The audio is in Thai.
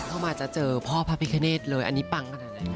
เข้ามาจะเจอพ่อพระพิคเนตเลยอันนี้ปังขนาดนั้น